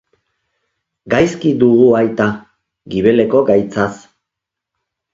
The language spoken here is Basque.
Gaizki dugu aita, gibeleko gaitzaz.